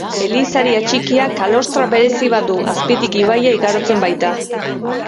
Elizari atxikia kalostra berezi bat du, azpitik ibaia igarotzen baita.